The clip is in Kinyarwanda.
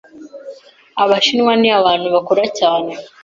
Abashinwa ni abantu bakora cyane.